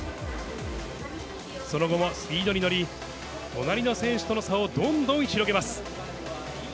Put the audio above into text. その後もスピードに乗り、隣の選手との差をどんどん広げます。